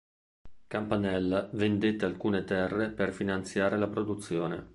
Campanella vendette alcune terre per finanziare la produzione.